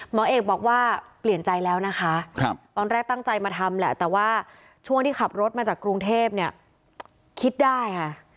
หมอเอกบอกว่าเปลี่ยนใจแล้วนะคะตอนแรกตั้งใจมาทำแหละแต่ว่าช่วงที่ขับรถมาจากกรุงเทพเนี่ยคิดได้ค่ะ